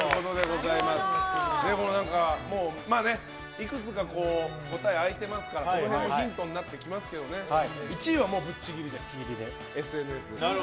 いくつか答え開いてますからこの辺もヒントになってきますけど１位はぶっちぎりでＳＮＳ。